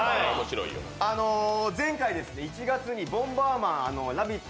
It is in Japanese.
前回、１月に「ボンバーマン」ラヴィット！